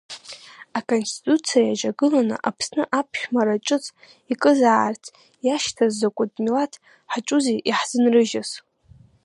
Аконституциа иаҿагыланы, Аԥс-ны аԥшәмара ҿыц икызаарц иашьҭаз закәытә милаҭ хаҿузи иаҳзынрыжьыз?!